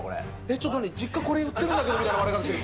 ちょっと何、実家、これ売ってたみたいな笑い方してる。